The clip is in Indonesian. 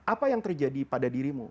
apa yang terjadi pada dirimu